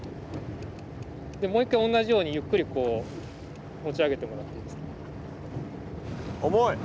でもう１回同じようにゆっくり持ち上げてもらっていいですか？